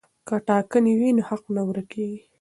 که ټاکنې وي نو حق نه ورک کیږي.